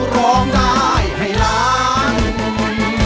ร้องได้ให้ล้าน